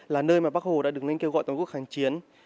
là nơi mà bác hồ đã đứng lên kêu gọi toàn quốc kháng chiến